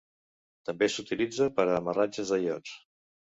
També s'utilitza per a amarratges de iots.